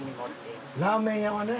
ラーメン屋はね。